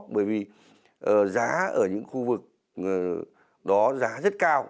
bởi vì giá ở những khu vực đó giá rất cao